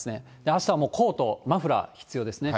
あしたはもうコート、マフラー、必要ですね。